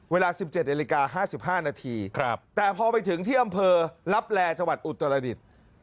เวลา๑๗นาฬิกา๕๕นาทีแต่พอไปถึงที่อำเภอลับแลจังหวัดอุตรดิษฐ์